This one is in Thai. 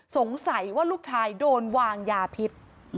สงสัยว่าลูกชายโดนวางยาพิษ